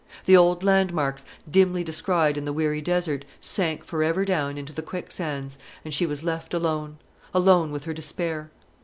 The old landmarks, dimly descried in the weary desert, sank for ever down into the quicksands, and she was left alone, alone with her despair.